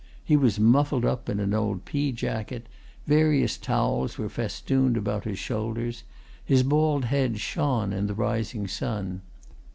He was muffled up in an old pea jacket; various towels were festooned about his shoulders; his bald head shone in the rising sun.